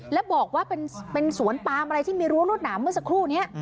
แล้วบอกว่าเป็นสวนปามอะไรที่มีรั้วรวดหนามเมื่อสักครู่นี้